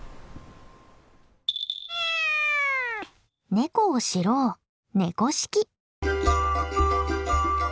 ネコを知ろう「猫識」。